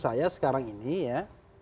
saya sekarang ini ya